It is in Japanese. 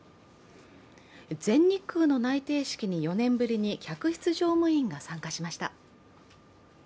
全日空の内定式に４年ぶりに客室乗務員が参加しました。